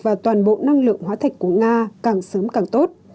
và toàn bộ năng lượng hóa thạch của nga càng sớm càng tốt